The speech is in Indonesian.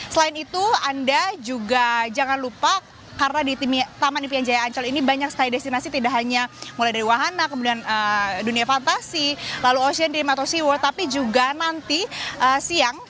selain itu anda juga jangan lupa karena di taman impian jaya ancol ini banyak sekali destinasi tidak hanya mulai dari wahana kemudian dunia fantasi lalu ocean dream atau seaword tapi juga nanti siang